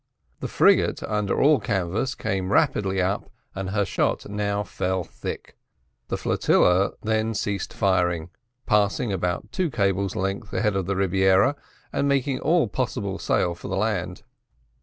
The frigate, under all canvas, came rapidly up, and her shot now fell thick. The flotilla then ceased firing, passing about two cables' lengths ahead of the Rebiera, and making all possible sail for the land.